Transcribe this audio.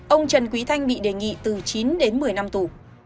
ông trần quý thanh bị đề nghị từ chín đến một mươi năm tù